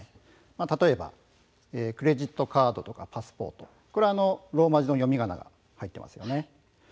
例えばクレジットカードとかパスポートこれはローマ字の読みがなが入っていますよね。